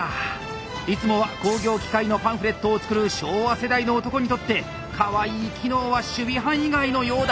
いつもは工業機械のパンフレットを作る昭和世代の男にとってかわいい機能は守備範囲外のようだ。